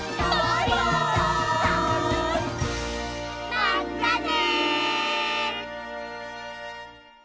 まったね！